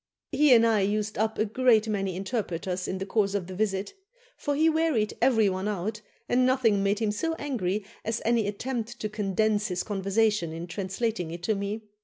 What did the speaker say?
He and I used up a great many interpreters in the course of the visit; for he wearied every one out, and nothing made him so angry as any attempt to condense his conversation in translating it to me.